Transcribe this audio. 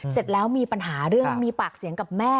เสร็จแล้วมีปัญหาเรื่องมีปากเสียงกับแม่